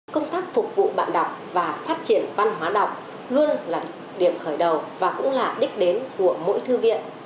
công tác phục vụ bạn đọc và phát triển văn hóa đọc luôn là điểm khởi đầu và cũng là đích đến của mỗi thư viện